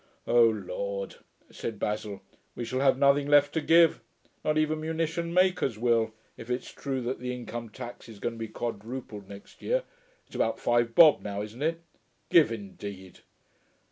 'O Lord!' said Basil, 'we shall have nothing left to give. Not even munition makers will, if it's true that the income tax is going to be quadrupled next year. It's about five bob now, isn't it? Give, indeed!'